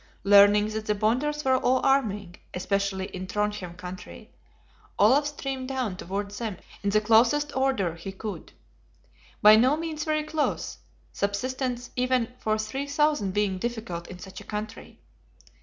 Learning that the Bonders were all arming, especially in Trondhjem country, Olaf streamed down towards them in the closest order he could. By no means very close, subsistence even for three thousand being difficult in such a country.